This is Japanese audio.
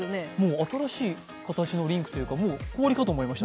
新しい形のリンクといいますかもう氷かと思いました。